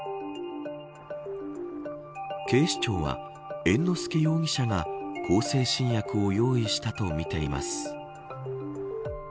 警視庁は、猿之助容疑者が向精神薬を用意したとみています。